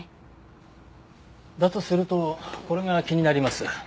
だとするとこれが気になります。